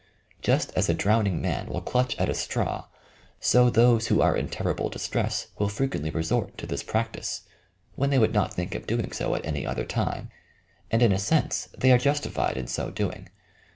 Just as a drowning man will clutch at a straw, so those who are in terrible distress will frequently resort to this practice, when they would not think of doing so at any other time ; and, in a sense, they are justified in so doing.